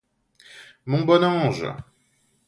Mon bon ange!